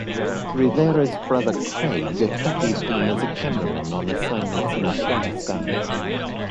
Rivera's brother Craig accompanied him as a cameraman on assignments in Afghanistan.